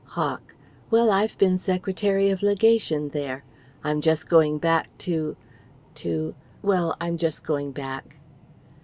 Hawk: "Well, I've been Secretary of Legation there. I'm just going back to to well I'm just going back."